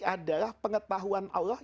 adalah pengetahuan allah